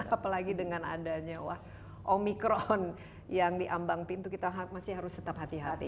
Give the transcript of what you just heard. apalagi dengan adanya omikron yang diambang pintu kita masih harus tetap hati hati